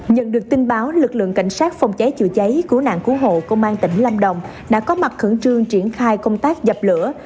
nhận được tin báo lực lượng cảnh sát phòng cháy chữa cháy cứu nạn cứu hộ công an tỉnh lâm đồng đã có mặt khẩn trương triển khai công tác dập lửa